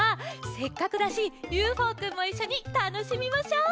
せっかくだしＵＦＯくんもいっしょにたのしみましょう。